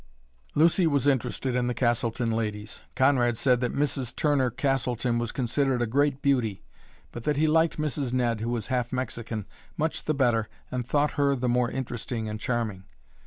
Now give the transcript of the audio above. Lucy was interested in the Castleton ladies. Conrad said that Mrs. Turner Castleton was considered a great beauty, but that he liked Mrs. Ned, who was half Mexican, much the better and thought her the more interesting and charming.